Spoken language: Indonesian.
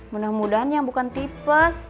mudah mudahan yang bukan tipes